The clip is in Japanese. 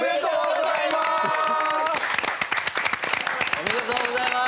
おめでとうございます。